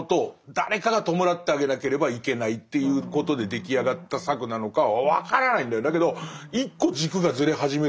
誰かが弔ってあげなければいけないということで出来上がった策なのかは分からないんだよ。